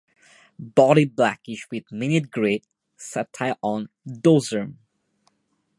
Body blackish with minute grey setae on dorsum.